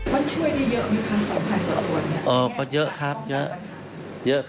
มันช่วยได้เยอะมีความสำคัญกว่าส่วน